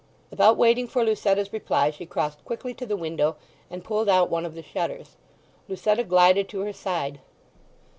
Without waiting for Lucetta's reply she crossed quickly to the window and pulled out one of the shutters. Lucetta glided to her side.